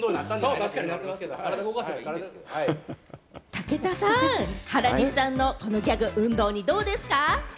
武田さん、原西さんのこのギャグ、運動にどうですか？